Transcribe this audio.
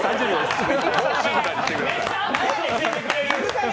もう静かにしてください。